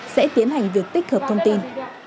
sẽ tiến hành việc tích hợp thông tin